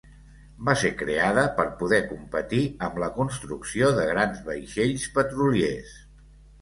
Va ser creada per poder competir amb la construcció de grans vaixells petroliers.